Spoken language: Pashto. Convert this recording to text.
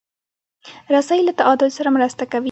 رسۍ له تعادل سره مرسته کوي.